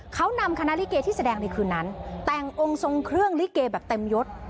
เขานำคณะลิเกที่แสดงในคืนนั้นแต่งองค์ทรงเครื่องลิเกแบบเต็มยศ